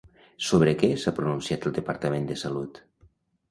Sobre què s'ha pronunciat el Departament de Salut?